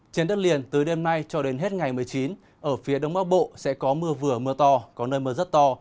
trên đất liền từ đêm nay cho đến hết ngày một mươi chín ở phía đông bắc bộ sẽ có mưa vừa mưa to có nơi mưa rất to